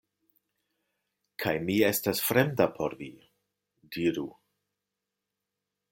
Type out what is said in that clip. Kaj mi estas fremda por vi, diru?